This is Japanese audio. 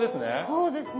そうですね。